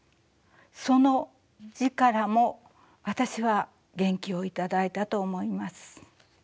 その字からも私は元気を頂いたと思います。